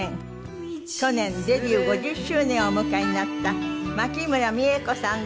去年デビュー５０周年をお迎えになった牧村三枝子さんです。